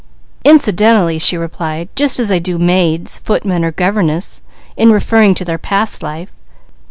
"Incidentally," she replied, "just as they do maids, footman or governess, in referring to their past life.